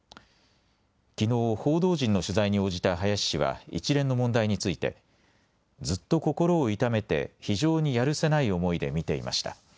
きのう報道陣の取材に応じた林氏は一連の問題についてずっと心を痛めて非常にやるせない思いで見ていました。